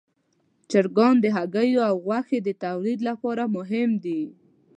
چرګان د هګیو او غوښې د تولید لپاره مهم دي.